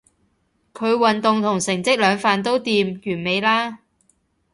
佢運動同成績兩瓣都掂，完美啦